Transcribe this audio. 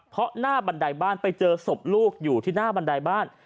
เพราะหน้าบันไดบ้านไปเจอศพลูกอยู่ที่หน้าบันไดบ้าน